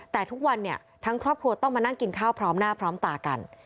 แต่ทุกวันเนี่ยทั้งครอบครัวต้องมานั่งกินข้าวพร้อมหน้าพร้อมตากัน